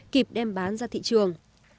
kịp đem bán ra thị trường